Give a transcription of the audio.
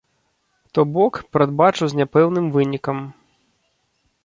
То бок, прадбачу з няпэўным вынікам.